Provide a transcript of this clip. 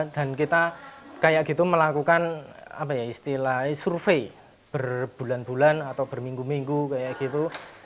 dan kita melakukan survei berbulan bulan atau berminggu minggu